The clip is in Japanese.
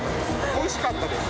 おいしかったです